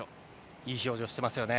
いい表情してますよね。